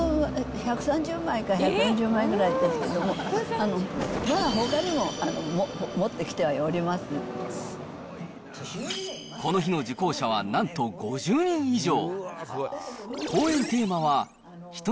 １３０枚から１４０枚ぐらいですけども、まだほかにも、この日の受講者は、なんと５０人以上。